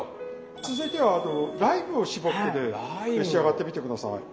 続いてはライムを搾ってね召し上がってみて下さい。